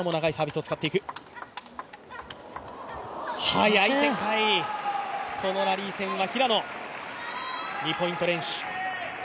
速い展開、このラリー戦は平野、２ポイント連取。